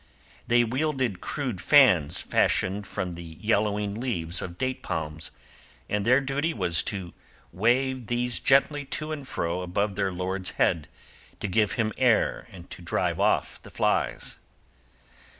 They wielded crude fans fashioned from the yellowing leaves of date palms, and their duty was to wave these gently to and fro above their lord's head, to give him air and to drive off the flies.